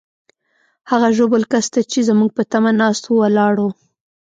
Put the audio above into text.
هغه ژوبل کس ته چې زموږ په تمه ناست وو، ولاړو.